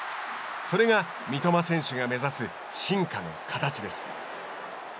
それが三笘選手が目指す進化の形です。